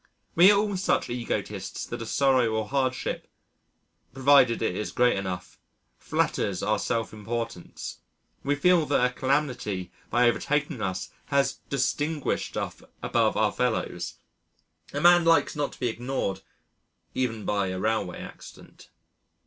We are all such egotists that a sorrow or hardship provided it is great enough flatters our self importance. We feel that a calamity by overtaking us has distinguished us above our fellows. A man likes not to be ignored even by a railway accident.